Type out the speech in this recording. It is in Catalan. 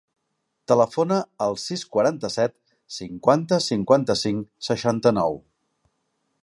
Telefona al sis, quaranta-set, cinquanta, cinquanta-cinc, seixanta-nou.